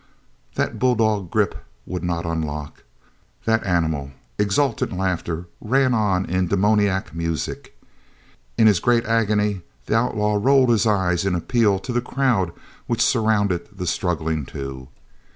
That bull dog grip would not unlock. That animal, exultant laughter ran on in demoniac music. In his great agony the outlaw rolled his eyes in appeal to the crowd which surrounded the struggling two.